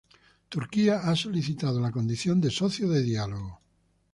Turquía ha solicitado la condición de socio de diálogo.